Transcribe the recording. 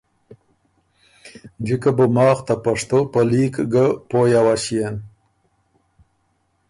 جکه بُو ماخ ته پشتو په لیک ګۀ پوی اؤݭيېن۔